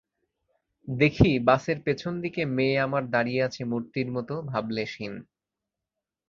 দেখি, বাসের পেছন দিকে মেয়ে আমার দাঁড়িয়ে আছে মূর্তির মতো, ভাবলেশহীন।